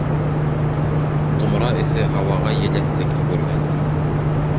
Томра эҫе һауаға еләҫлек йүгергән.